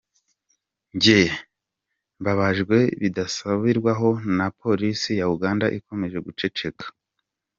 Njye mbabajwe bidasubirwaho na polisi ya Uganda ikomeje guceceka.